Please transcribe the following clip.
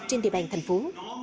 trên địa bàn thành phố